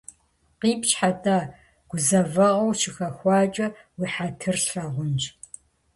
- Къипщхьэ-тӏэ, гузэвэгъуэ ущыхэхуакӏэ уи хьэтыр слъагъунщ.